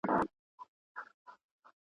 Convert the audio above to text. انصاف د ټولنې باور پیاوړی کوي.